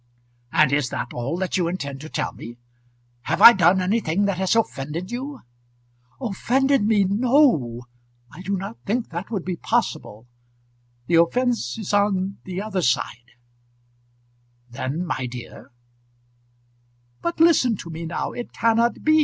"And is that all that you intend to tell me? Have I done anything that has offended you?" "Offended me! No. I do not think that would be possible. The offence is on the other side " "Then, my dear, " "But listen to me now. It cannot be.